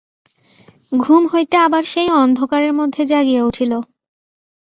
ঘুম হইতে আবার সেই অন্ধকারের মধ্যে জাগিয়া উঠিল।